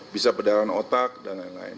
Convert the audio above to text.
bisa perdarahan otak dan lain lain